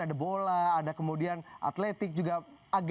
ada bola ada kemudian atletik juga agak mengiri agak iri sebenarnya